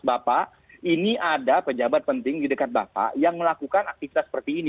bapak ini ada pejabat penting di dekat bapak yang melakukan aktivitas seperti ini